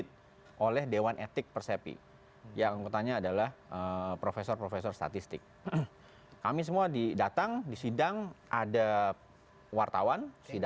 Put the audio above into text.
terima kasih pak bung kondi